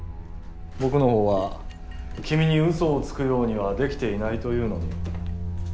僕の方は君にうそをつくようにはできていないというのに。